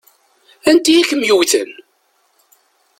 Anti i kem-yewwten?